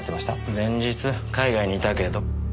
海外にいたけど。